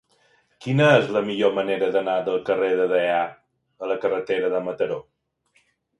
Quina és la millor manera d'anar del carrer de Deià a la carretera de Mataró?